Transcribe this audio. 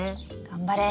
頑張れ！